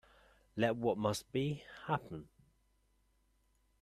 Let what must be, happen.